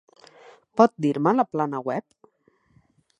Pot dir-me la plana web?